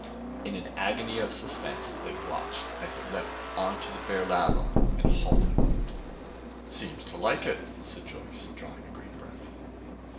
In an agony of suspense they watched it as it leaped onto the bare lava and halted a moment.... "Seems to like it," said Joyce, drawing a great breath.